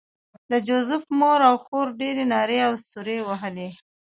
د جوزف مور او خور ډېرې نارې او سورې وهلې